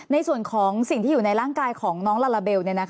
ในส่วนของสิ่งที่อยู่ในร่างกายของน้องลาลาเบล